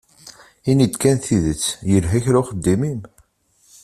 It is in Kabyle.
Ini-d kan tidet, yelha kra uxeddim-im?